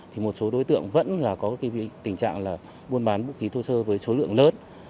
thì một số đối tượng vẫn là có cái tình trạng là buôn bán vũ khí thô sơ với số lượng lớn